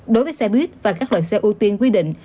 đối với xe buýt và các loại xe ưu tiên quy định